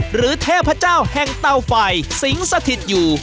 หรือเทพเจ้าแห่งเตาไฟสิงสถิตอยู่